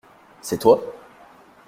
C’est toi ?